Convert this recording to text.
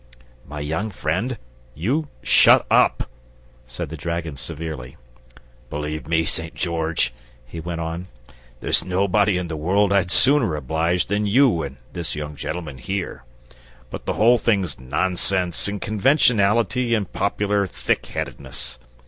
"My young friend, you shut up," said the dragon severely. "Believe me, St. George," he went on, "there's nobody in the world I'd sooner oblige than you and this young gentleman here. But the whole thing's nonsense, and conventionality, and popular thick headedness.